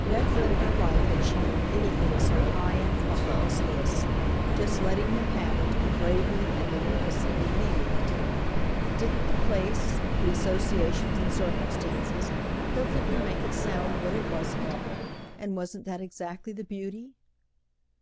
Never in her life had she known anything so high and fine as this, just letting him have it and bravely and magnificently leaving it. Didn't the place, the associations and circumstances, perfectly make it sound what it wasn't? and wasn't that exactly the beauty?